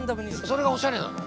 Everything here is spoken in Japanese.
それがおしゃれなの？